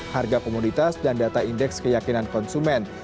harga komoditas dan data indeks keyakinan konsumen